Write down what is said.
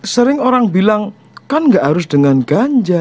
sering orang bilang kan nggak harus dengan ganja